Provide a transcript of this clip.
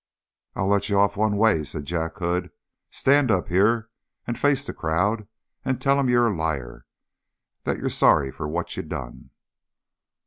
"I'll let you off one way," said Jack Hood. "Stand up here, and face the crowd and tell 'em you're a liar, that you're sorry for what you done!"